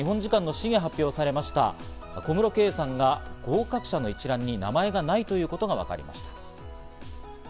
さて続いては日本時間の深夜発表されました、小室圭さんが合格者の一覧に名前がないということがわかりました。